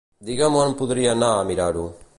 Diga'm on podria anar a mirar-ho.